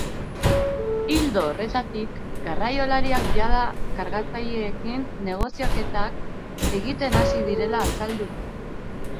Ildo horretatik, garraiolariak jada kargatzaileekin negoziaketak egiten hasi direla azaldu du.